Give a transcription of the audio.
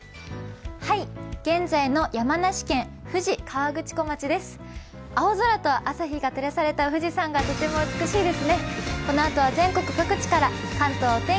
現在の山梨県富士河口湖町です。